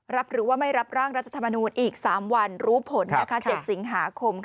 รับหรือไม่รับร่างรัฐธรรมนุษย์อีก๓วันรู้ผล๗สิงหาคม